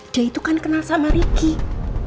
dia itu kan kenal sama ricky